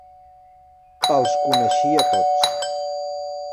Els coneixia tots.